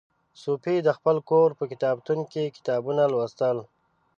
صوفي د خپل کور په کتابتون کې کتابونه لوستل.